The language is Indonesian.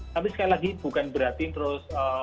tapi sekali lagi bukan berarti terus